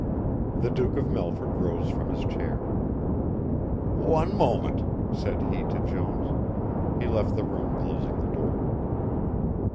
The Duke of Melford rose from his chair. "One moment," said he to Jones. He left the room closing the door.